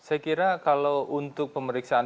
saya kira kalau untuk pemeriksaan